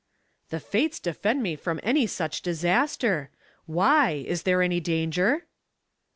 " The fates defend me from any such disaster. Why ! is there any danger